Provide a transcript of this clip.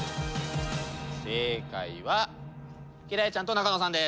正解は輝星ちゃんと中野さんです。